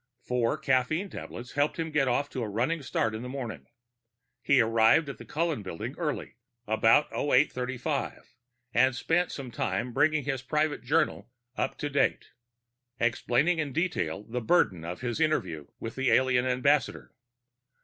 Four caffeine tablets helped him get off to a running start in the morning. He arrived at the Cullen Building early, about 0835, and spent some time bringing his private journal up to date, explaining in detail the burden of his interview with the alien ambassador.